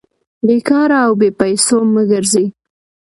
بې کاره او بې پېسو مه ګرځئ!